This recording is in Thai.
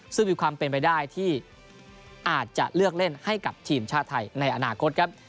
ซึ่งมีความเป็นไปได้ที่อาจจะเลือกเล่นให้กับทีมชาติไทยในอนาคตครับ